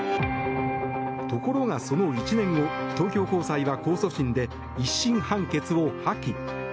ところが、その１年後東京高裁は控訴審で１審判決を破棄。